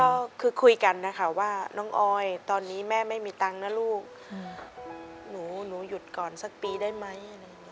ก็คือคุยกันนะคะว่าน้องออยตอนนี้แม่ไม่มีตังค์นะลูกหนูหยุดก่อนสักปีได้ไหมอะไรอย่างนี้